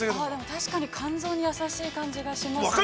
◆確かに肝臓に優しい感じがしますね。